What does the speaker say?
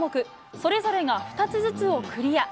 それぞれが２つずつをクリア。